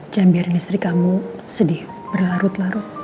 jangan biarin istri kamu sedih berlarut larut